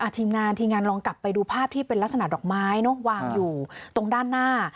ทีมงานทีมงานลองกลับไปดูภาพที่เป็นลักษณะดอกไม้วางอยู่ตรงด้านหน้า